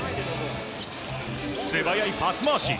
素早いパス回し。